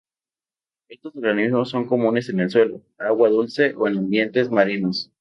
Estos organismos son comunes en el suelo, agua dulce o en ambientes marinos.